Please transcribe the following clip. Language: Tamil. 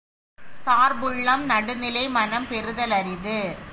சார்புள்ளம் நடுநிலை மனம் பெறுதல் அரிது.